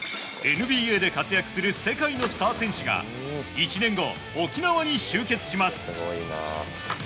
ＮＢＡで活躍する世界のスター選手が１年後、沖縄に集結します。